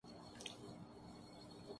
البتہ پورا قول بیان نہیں کیا۔